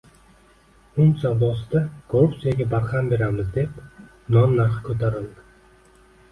Un savdosida korrupsiyaga barham beramiz deb, non narxi koʻtarildi.